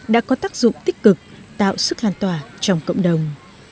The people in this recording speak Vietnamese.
đã có tác dụng tích cực tạo sức an toàn trong cộng đồng